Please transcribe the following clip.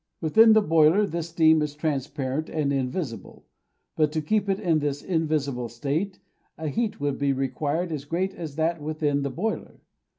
Within the boiler this steam is transparent and invisible; but to keep it in this invisible state a heat would be required as great as that within the boiler.